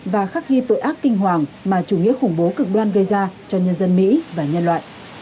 và khắc ghi tội ác kinh hoàng mà chủ nghĩa khủng bố cực đoan gây ra cho nhân dân mỹ và nhân loại